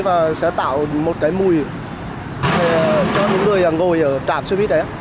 và sẽ tạo một cái mùi cho những người ngồi ở trạm xe buýt đấy ạ